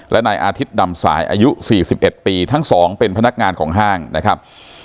และนายอาทิตย์ดำสายอายุ๔๑ปีทั้งสองเป็นพนักงานของห้างนะครับ